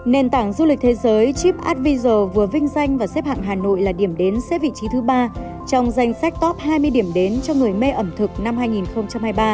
nền tảng du lịch thế giới chip atviser vừa vinh danh và xếp hạng hà nội là điểm đến xếp vị trí thứ ba trong danh sách top hai mươi điểm đến cho người mê ẩm thực năm hai nghìn hai mươi ba